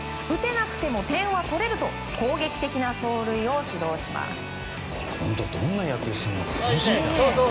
打てなくても点は取れると攻撃的な走塁を指導します。